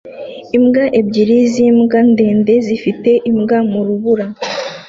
Imbwa ebyiri zimbwa ndende zifite imbwa mu rubura